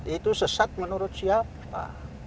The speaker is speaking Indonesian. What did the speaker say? itu sesat menurut siapa